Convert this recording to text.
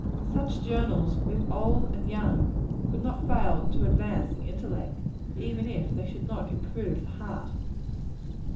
Such journals, with old and young, could not fail to advance the intellect, even if they should not improve the heart.